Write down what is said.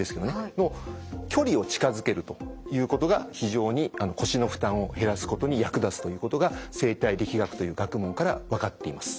距離を近づけるということが非常に腰の負担を減らすことに役立つということが生体力学という学問から分かっています。